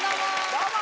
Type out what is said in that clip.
どうも！